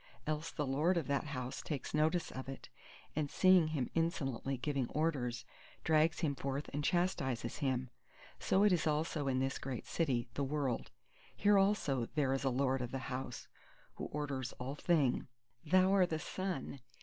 Else the lord of that house takes notice of it, and, seeing him insolently giving orders, drags him forth and chastises him. So it is also in this great City, the World. Here also is there a Lord of the House, who orders all thing:— "Thou are the Sun!